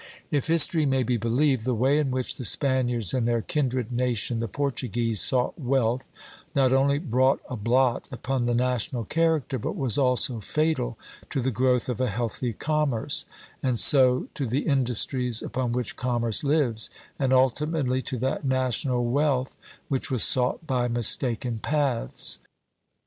If history may be believed, the way in which the Spaniards and their kindred nation, the Portuguese, sought wealth, not only brought a blot upon the national character, but was also fatal to the growth of a healthy commerce; and so to the industries upon which commerce lives, and ultimately to that national wealth which was sought by mistaken paths.